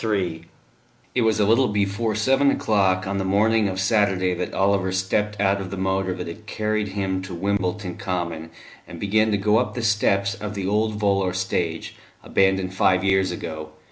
III It was a little before seven o'clock on the morning of Saturday that Oliver stepped out of the motor that had carried him to Wimbledon Common, and began to go up the steps of the old volor stage, abandoned five years ago.